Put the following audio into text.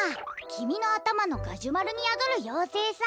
きみのあたまのガジュマルにやどるようせいさ。